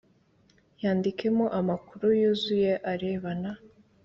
yandikemo amakuru yuzuye arebana